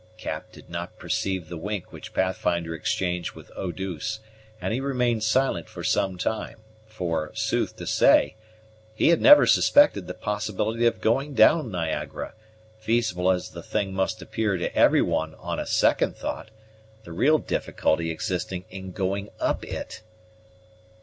Cap did not perceive the wink which Pathfinder exchanged with Eau douce, and he remained silent for some time; for, sooth to say, he had never suspected the possibility of going down Niagara, feasible as the thing must appear to every one on a second thought, the real difficulty existing in going up it.